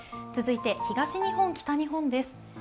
続いて東日本、北日本です。